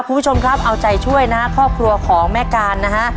คุณผู้ชมครับเอาใจช่วยนะครอบครัวของแม่การนะฮะ